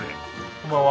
こんばんは。